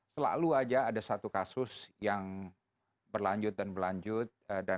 selalu saja ada satu kasus yang berlanjut dan berlanjut